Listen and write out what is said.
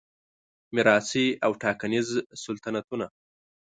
میراثي او ټاکنیز سلطنتونه